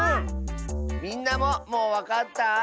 みんなももうわかった？